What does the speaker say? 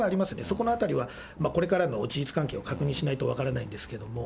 そこのあたりは、これからの事実関係を確認しないと分からないんですけれども。